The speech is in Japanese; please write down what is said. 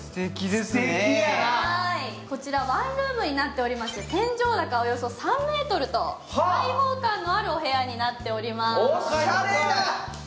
こちらワンルームになっていまして天井高３ｍと開放感のあるお部屋になっております。